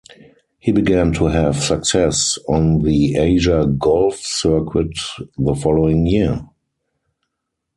He began to have success on the Asia Golf Circuit the following year.